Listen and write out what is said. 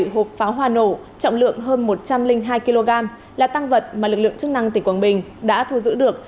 một mươi hộp pháo hoa nổ trọng lượng hơn một trăm linh hai kg là tăng vật mà lực lượng chức năng tỉnh quảng bình đã thu giữ được